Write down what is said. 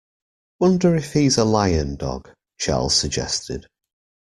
Wonder if he's a lion dog, Charles suggested.